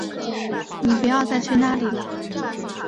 妳不要再去那里了